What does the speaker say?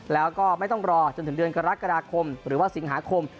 แล้วก็ไม่ต้องรอจนถึงเดือนกรกฎาคมหรือว่าสิงหาคม